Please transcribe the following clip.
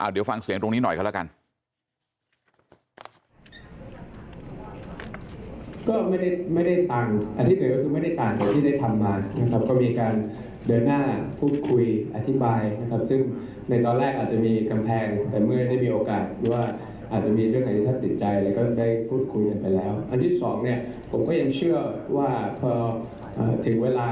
เดี๋ยวฟังเสียงตรงนี้หน่อยกันแล้วกัน